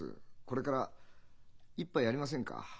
これから一杯やりませんか？